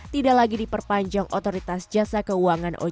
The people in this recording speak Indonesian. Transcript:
tidak lagi diperpanjang otoritas jasa keuangan ojk